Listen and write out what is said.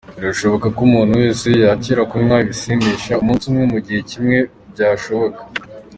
Birashoboka ko umuntu wese yakira kunywa ibisindisha, umunsi umwe, mu gihe kimwe byashoboka.